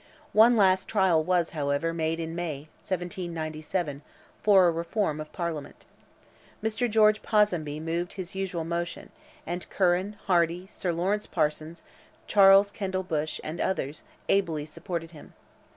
One last trial was, however, made in May, 1797, for a reform of Parliament. Mr. George Ponsonby moved his usual motion, and Curran, Hardy, Sir Lawrence Parsons, Charles Kendall Bushe, and others, ably supported him.